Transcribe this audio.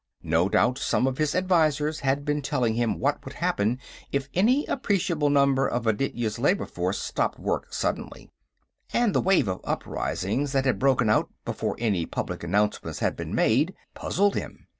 No doubt some of his advisors had been telling him what would happen if any appreciable number of Aditya's labor force stopped work suddenly, and the wave of uprisings that had broken out before any public announcement had been made puzzled him.